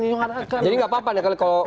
menyuarakan jadi gak apa apa kalau